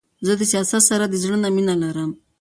زه سياست د سره د زړه نه مينه لرم.